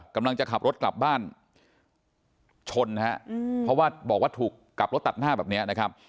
กำลังจะขับรถกลับบ้านชนนะฮะเพราะว่าบอกว่าถูกกลับรถตัดหน้าแบบนี้นะครับ